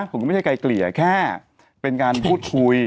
ผมก็ไม่ใช่ไกลเกลี่ยแค่เป็นการพูดคุย